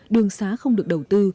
đường xá không được đầu tư